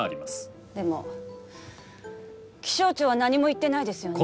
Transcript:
でも気象庁は何も言ってないですよね。